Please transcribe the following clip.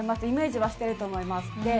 イメージはしていると思います。